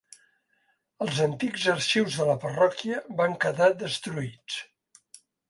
Els antics arxius de la parròquia van quedar destruïts.